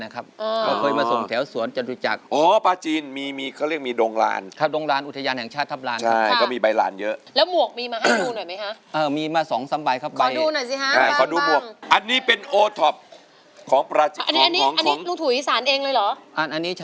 ค่ะแล้วทีนี้ลุงที่ลุงแต่งขอบงคอบอยเนี่ย